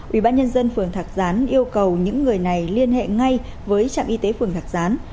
ủy ban nhân dân phường thạc gián yêu cầu những người này liên hệ ngay với trạm y tế phường thạc gián